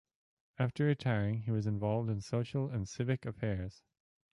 After retiring, he was involved in social and civic affairs.